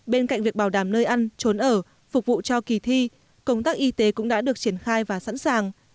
bên cạnh việc bảo đảm nơi ăn trốn ở phục vụ cho kỳ thi công tác y tế cũng đã được triển khai và sẵn sàng